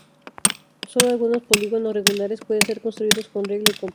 Solo algunos polígonos regulares pueden ser construidos con regla y compás.